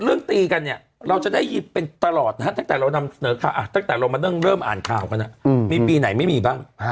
เริ่มอ่านข่าวกันนะมีปีไหนไม่มีบ้าง